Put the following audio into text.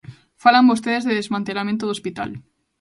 Falan vostedes de desmantelamento do hospital.